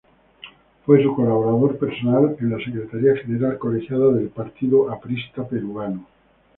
Fue su colaborador personal en la Secretaría General Colegiada del Partido Aprista Peruano.